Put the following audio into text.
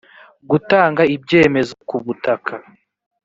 gutanga ibyemezo ku butaka